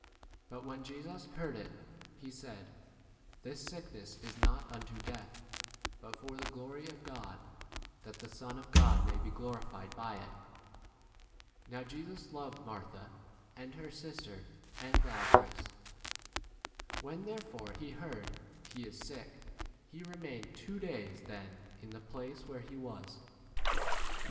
But when Jesus heard [itj, he said, This sickness is not unto death, but for the glory of God, that the Son of 5 God may be glorified by it. Now Jesus loved Martha, and her sister, 6 and Lazarus. When therefore he heard, he is sick, he remained two days then in the place where 7 he was.